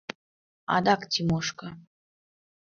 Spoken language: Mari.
Адак Тимошка!